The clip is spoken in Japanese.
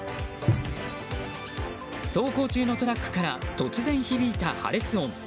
走行中のトラックから突然響いた破裂音。